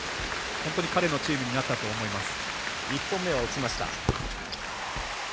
本当に彼のチームになったと思います。